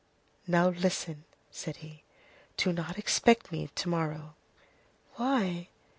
"Now, listen," said he, "do not expect me to morrow." "Why?"